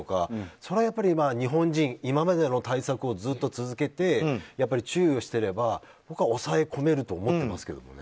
それはやっぱり、日本人今までの対策をずっと続けて注意していれば抑え込めると思っていますけどね。